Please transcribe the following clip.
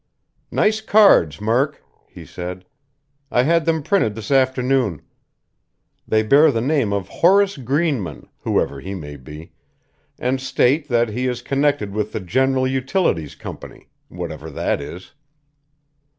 "Nice cards, Murk," he said. "I had them printed this afternoon. They bear the name of Horace Greenman, whoever he may be, and state that he is connected with the General Utilities Company whatever that is."